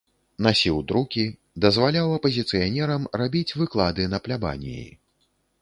Насіў друкі, дазваляў апазіцыянерам рабіць выклады на плябаніі.